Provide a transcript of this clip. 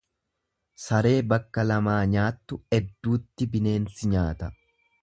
Saree bakka lamaa nyaattu edduutti bineensi nyaata.